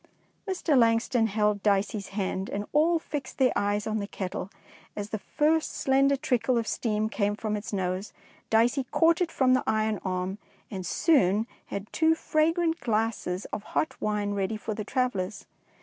Mr. Langston held Dicey's hand, and all fixed their eyes on the kettle, and as the first slender trickle of steam came from its nose. Dicey caught it from the iron arm, and soon had two fragrant glasses of hot wine ready for the travellers.